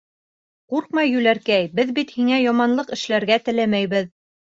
- Ҡурҡма, юләркәй, беҙ бит һиңә яманлыҡ эшләргә теләмәйбеҙ.